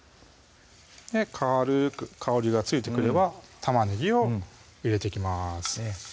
軽く香りがついてくれば玉ねぎを入れていきます